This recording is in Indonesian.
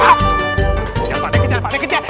pak nek kejar pak nek kejar